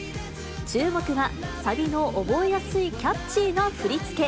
注目は、サビの覚えやすいキャッチーな振り付け。